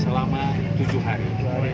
selama tujuh hari